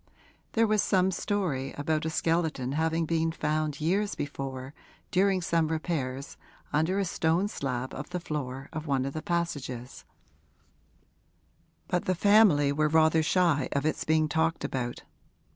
There was some story about a skeleton having been found years before, during some repairs, under a stone slab of the floor of one of the passages; but the family were rather shy of its being talked about.